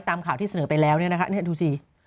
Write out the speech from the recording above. ตามข่าวที่เสนอไปแล้วเนี่ยนะคะดูสิ